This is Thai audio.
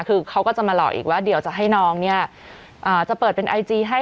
คือเขาก็จะมาหลอกอีกว่าเดี๋ยวจะให้น้องเนี่ยจะเปิดเป็นไอจีให้